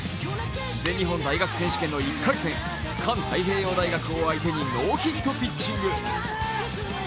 全日本大学選手権の１回戦、環太平洋大学を相手にノーヒットピッチング。